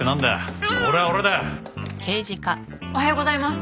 おはようございます。